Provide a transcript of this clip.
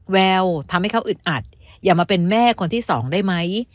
แววทำให้เขาอึดอัดอย่ามาเป็นแม่คนที่สองได้ไหม